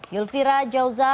yulfira jauza harus mengakui